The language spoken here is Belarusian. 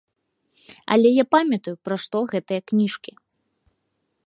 Але я памятаю, пра што гэтыя кніжкі.